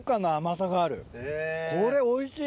これおいしい！